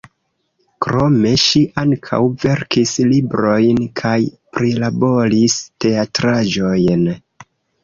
Krome ŝi ankaŭ verkis librojn kaj prilaboris teatraĵojn.